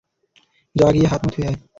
যা, গিয়ে হাত মুখ ধুয়ে আয়!